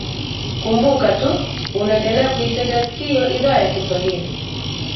kumbuka tu unaendelea kuitegea sikio idhaa ya kiswahili